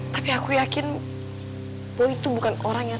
tapi aku yakin lo itu bukan orang yang